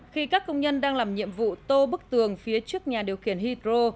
khi các công nhân đang làm nhiệm vụ tô bức tường phía trước nhà điều khiển hydro